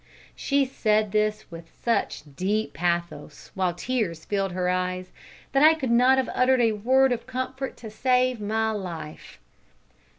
She said this with such deep pathos, while tears filled her eyes, that I could not have uttered a word of comfort to save my life.